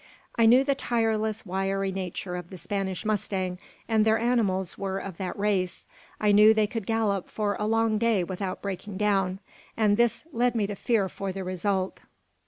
I knew the tireless, wiry nature of the Spanish mustang; and their animals were of that race. I knew they could gallop for a long day without breaking down, and this led me to fear for the result.